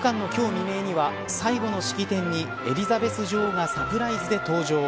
未明には最後の式典に、エリザベス女王がサプライズで登場。